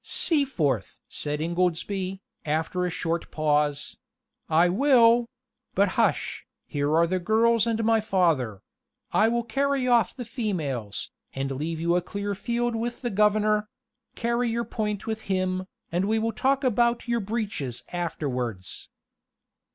"Seaforth!" said Ingoldsby, after a short pause, "I will But hush! here are the girls and my father. I will carry off the females, and leave you a clear field with the governor: carry your point with him, and we will talk about your breeches afterwards."